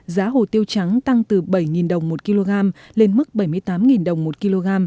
giá hồ tiêu trắng tăng từ bảy đồng một kg lên mức bảy mươi tám đồng một kg